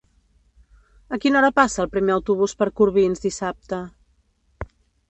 A quina hora passa el primer autobús per Corbins dissabte?